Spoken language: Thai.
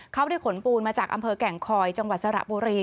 เขาได้ขนปูนมาจากอำเภอแก่งคอยจังหวัดสระบุรี